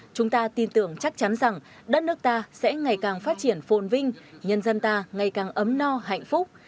chúng ta tin tưởng chắc chắn rằng đất nước ta sẽ ngày càng phát triển phồn vinh nhân dân ta ngày càng ấm no hạnh phúc